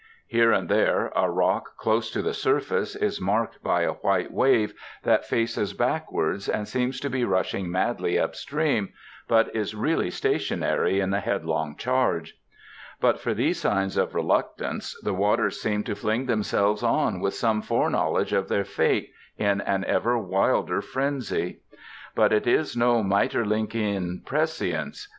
Here and there a rock close to the surface is marked by a white wave that faces backwards and seems to be rushing madly up stream, but is really stationary in the headlong charge. But for these signs of reluctance, the waters seem to fling themselves on with some foreknowledge of their fate, in an ever wilder frenzy. But it is no Maeterlinckian prescience.